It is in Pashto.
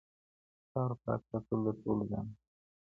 ښار پاک ساتل د ټولو دنده ده.